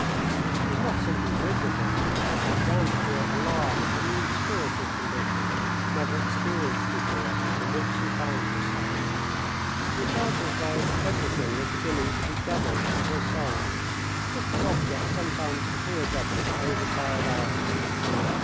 She was not simply miserable, she began to feel alarm at the new spiritual condition, never experienced before, in which she found herself. She felt as though everything were beginning to be double in her soul, just as objects sometimes appear double to over tired eyes.